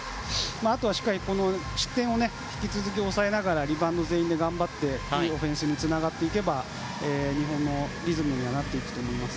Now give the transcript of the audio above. あとはしっかり失点を引き続き抑えながらリバウンドを全員で頑張って、いいオフェンスにつながっていけば日本のリズムにはなっていくと思います。